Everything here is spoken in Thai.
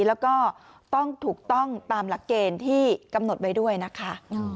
แล้วก็ต้องถูกต้องตามหลักเกณฑ์ที่กำหนดไว้ด้วยนะคะ